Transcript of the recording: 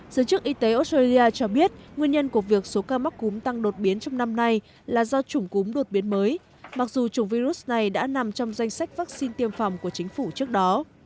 giới chức y tế australia cho biết nguyên nhân của việc số ca mắc cúm tăng đột biến trong năm nay là do chủng cúm đột biến mới mặc dù chủng virus này đã nằm trong danh sách vaccine tiêm phòng của chính phủ trước đó